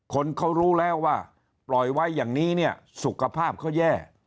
คนเขารู้แล้วว่าปล่อยไว้อย่างนี้เนี่ยสุขภาพเขาแย่